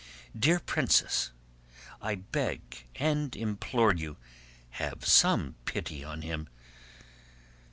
"Dear princess, I beg and implore you, have some pity on him!